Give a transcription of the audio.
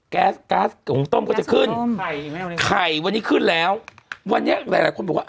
แก๊สก๊าซของต้มก็จะขึ้นไข่วันนี้ขึ้นแล้ววันนี้หลายหลายคนบอกว่า